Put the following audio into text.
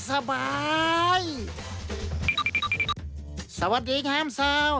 สวัสดีค่ะห้ามสาว